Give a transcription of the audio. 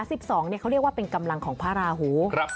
เขาเรียกว่าเป็นกำลังของพระราหู